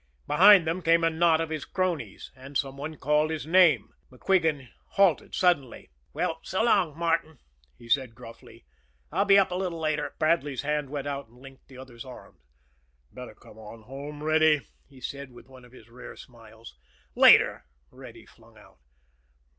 Behind them came a knot of his cronies and some one called his name. MacQuigan halted suddenly. "Well, so long, Martin," he said gruffly. "I'll be up a little later." Bradley's hand went out and linked in the other's arm. "Better come on home, Reddy," he said, with one of his rare smiles. "Later," Reddy flung out.